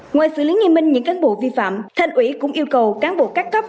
ngoài xử lý nghiêm minh những cán bộ vi phạm thành ủy cũng yêu cầu cán bộ các cấp